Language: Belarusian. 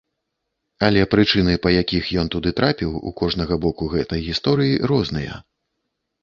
Але прычыны, па якіх ён туды трапіў, у кожнага боку гэтай гісторыі розныя.